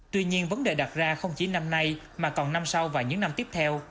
tuy nhiên vấn đề đặt ra không chỉ năm nay mà còn năm sau và những năm tiếp theo